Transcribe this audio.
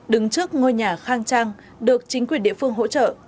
đứng trước ngôi nhà khang trang được chính quyền địa phương hỗ trợ